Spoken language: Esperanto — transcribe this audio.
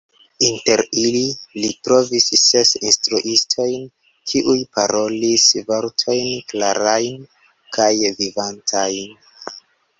Inter ili, li trovis ses instruistojn, kiuj parolis "vortojn klarajn kaj vivantajn.